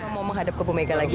mau menghadapi buku mega lagi